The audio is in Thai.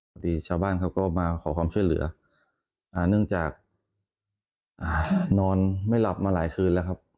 พอดีชาวบ้านเขาก็มาขอความช่วยเหลือเนื่องจากนอนไม่หลับมาหลายคืนแล้วครับ